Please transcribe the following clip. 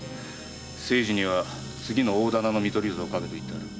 清次には次の大店の見取り図を書けと言ってある。